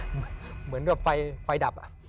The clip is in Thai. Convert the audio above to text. เหมือนแบบไฟดับ